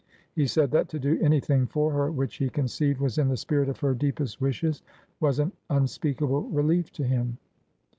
He said that to do anything for her which he conceived was in the spirit of her deepest wishes was an unspeakable relief to him."